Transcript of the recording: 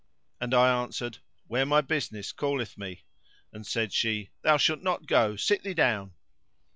and I answered, "Where my business calleth me;" and said she, "Thou shalt not go: sit thee down."